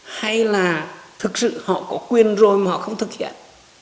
hay là thực sự họ có quyền rồi mà họ không thực hiện